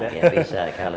ya memang bisa